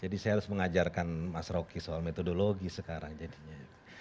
jadi saya harus mengajarkan mas roki soal metodologi sekarang jadinya